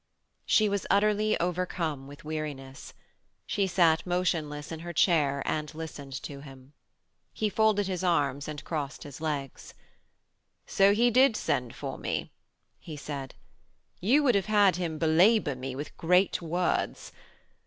She was utterly overcome with weariness. She sat motionless in her chair and listened to him. He folded his arms and crossed his legs. 'So he did send for me,' he said. 'You would have had him belabour me with great words.